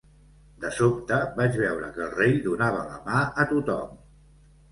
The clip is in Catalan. De sobte vaig veure que el rei donava la mà a tothom.